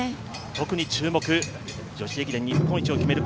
特に注目、女子駅伝日本一を決める